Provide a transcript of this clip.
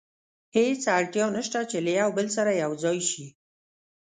هېڅ اړتیا نه شته چې له یو بل سره یو ځای شي.